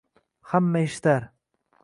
Hamma eshitar